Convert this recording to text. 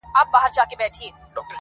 روح مي خبري وکړې روح مي په سندرو ويل.